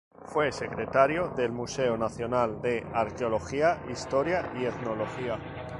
Fue secretario del Museo Nacional de Arqueología, Historia y Etnología.